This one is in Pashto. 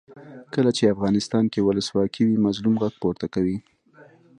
کله چې افغانستان کې ولسواکي وي مظلوم غږ پورته کوي.